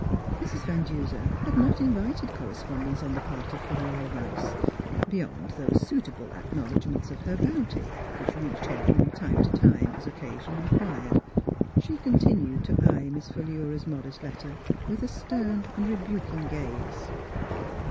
Mrs. Van Duser had not invited corre spondence on the part of Philura Rice, beyond those suitable acknowledgments of her bounty which reached her from time to time, as occasion required. She Miss Fhilura's Wedding Gown continued to eye Miss Philura's modest letter with a stern and rebuking gaze.